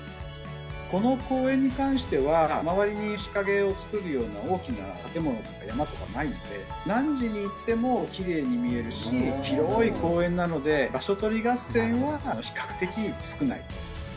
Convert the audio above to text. この公園に関しては、周りに日陰を作るような大きな建物とか山とかがないので、何時に行ってもきれいに見えるし、広い公園なので、場所取り合戦は比較的少ない。